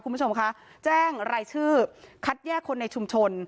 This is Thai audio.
คุณผู้ชมคะแจ้งรายชื่อคัดแยกคนในชุมชน